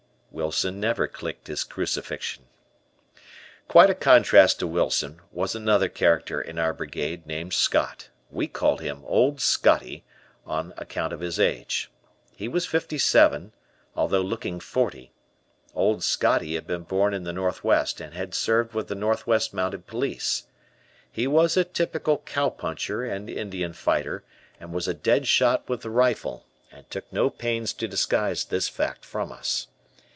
Wilson never clicked his crucifixion. Quite a contrast to Wilson was another character in our Brigade named Scott, we called him "Old Scotty" on account of his age. He was fifty seven, although looking forty. "Old Scotty" had been born in the Northwest and had served with the Northwest Mounted Police. He was a typical cow puncher and Indian fighter and was a dead shot with the rifle, and took no pains to disguise this fact from us.